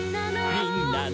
「みんなの」